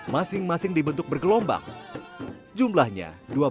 masing masing dibentuk bergelombang jumlahnya dua belas